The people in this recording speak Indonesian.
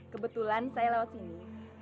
kebetulan saya lewat sini